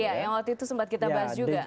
iya yang waktu itu sempat kita bahas juga